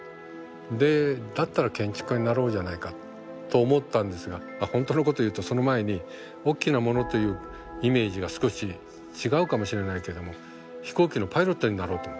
でだったら建築家になろうじゃないかと思ったんですが本当のことを言うとその前におっきなものというイメージが少し違うかもしれないけれども飛行機のパイロットになろうと思った。